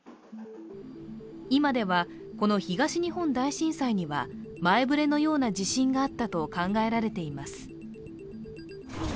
今ではこの東日本大震災には前触れのような地震があったと考えられています。